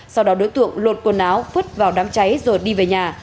sau đó đối tượng lột quần áo vứt vào đám cháy rồi đi về nhà